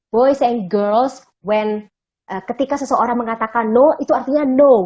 voice and girls wend ketika seseorang mengatakan no itu artinya no